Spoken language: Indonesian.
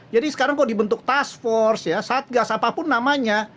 jadi sekarang kalau dibentuk task force satgas apapun namanya